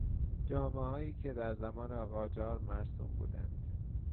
جامههایی که در زمان قاجار مرسوم بودند